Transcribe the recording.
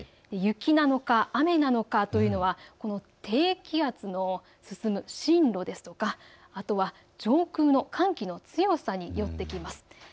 雪なのか雨なのかというのはこの低気圧の進む進路や、あとは上空の寒気の強さによってきます。